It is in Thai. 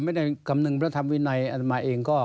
ไม่ได้คำนึงพระธรรมวินัยอะไรมาเองก็